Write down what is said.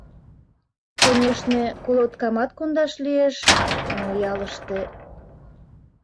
— Конешне, колоткамат кондаш лиеш, но ялыште...